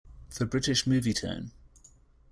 For British Movietone.